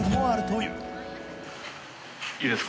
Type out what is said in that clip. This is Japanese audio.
いいですか？